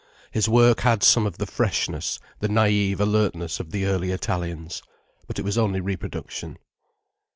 His work had some of the freshness, the naïve alertness of the early Italians. But it was only reproduction.